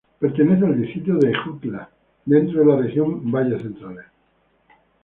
Pertenece al distrito de Ejutla, dentro de la región valles centrales.